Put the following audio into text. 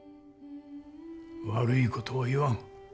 悪いことは言わん。